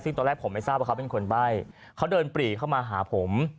ซึ่งตอนแรกผมไม่ทราบว่าเขาเป็นคนใบ้เขาเดินปรีเข้ามาหาผม